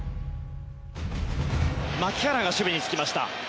牧原が守備につきました。